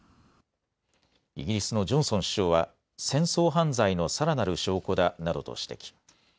イギリスのジョンソン首相は戦争犯罪のさらなる証拠だなどと指摘。